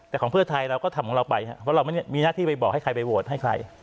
แต่ของเพื่อไทยเราก็ทำของเราไปครับเพราะเราไม่มีหน้าที่ไปบอกให้ใครไปโหวตให้ใคร